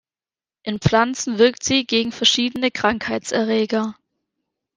In Pflanzen wirkt sie gegen verschiedene Krankheitserreger.